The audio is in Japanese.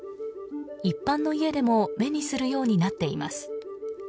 一般の家でも目にするようになっています。